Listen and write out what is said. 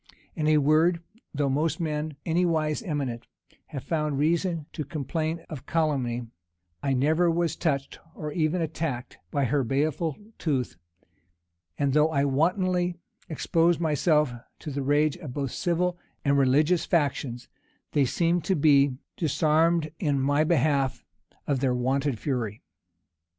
In a word, though most men, anywise eminent, have found reason to complain of Calumny, I never was touched, or even attacked, by her baleful tooth; and though I wantonly exposed myself to the rage of both civil and religious factions, they seemed to be disarmed in my behalf of their wonted fury.